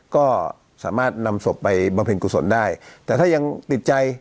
ก็สามารถนำศพไปบำเพ็ญกุศลได้แต่ถ้ายังติดใจ